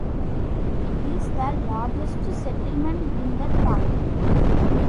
It is the largest settlement in the town.